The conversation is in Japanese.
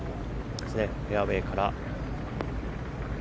フェアウェーから。